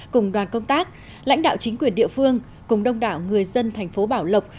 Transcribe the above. cùng đoàn công tác lãnh đạo chính quyền địa phương cùng đông đảo người dân thành phố bảo lộc